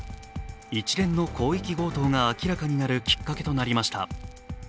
一連の広域強盗が明らかになるきっかけとなりました。